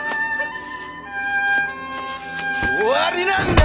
終わりなんだ！